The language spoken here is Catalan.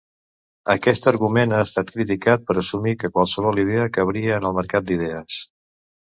Aquest argument ha estat criticat per assumir que qualsevol idea cabria en el mercat d'idees.